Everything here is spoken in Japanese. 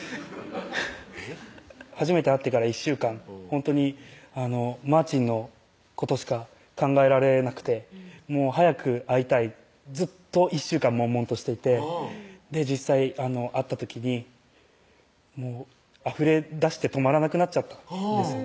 初めて会ってから１週間ほんとにまーちんのことしか考えられなくてもう早く会いたいずっと１週間もんもんとしていて実際会った時にもうあふれ出して止まらなくなっちゃったんですよ